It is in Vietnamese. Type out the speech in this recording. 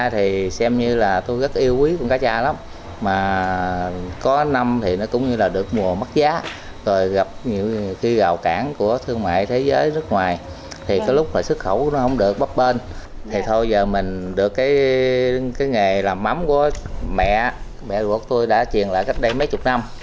thôi giờ mình được cái nghề làm mắm của mẹ mẹ út tôi đã truyền lại cách đây mấy chục năm